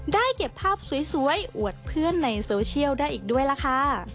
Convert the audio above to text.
เก็บภาพสวยอวดเพื่อนในโซเชียลได้อีกด้วยล่ะค่ะ